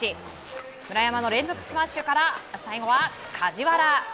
村山の連続スマッシュから最後は梶原。